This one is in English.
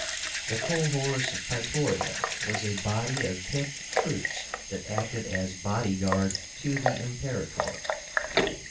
The COHORS PRAETORIA was a body of picked troops that acted as body guard to the Imperator.